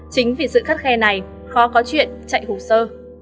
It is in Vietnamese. chính vì sự khắt khe này khó có chuyện chạy hồ sơ